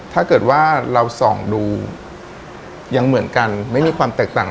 ถ้าเกิดว่าเราส่องดูยังเหมือนกันไม่มีความแตกต่าง